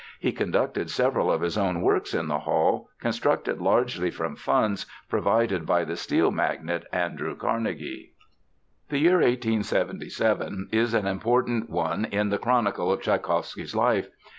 He conducted several of his own works in the hall constructed largely from funds provided by the steel magnate, Andrew Carnegie. The year 1877 is an important one in the chronicle of Tschaikowsky's life.